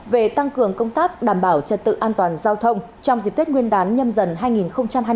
về tăng cường công tác đảm bảo trật tự an toàn giao thông trong dịp tết nguyên đán nhâm dần hai nghìn hai mươi bốn